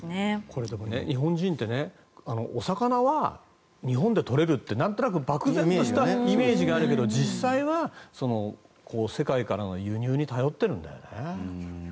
これ、日本人ってお魚は日本で取れるってなんとなく漠然としたイメージがあるけど実際は世界からの輸入に頼ってるんだよね。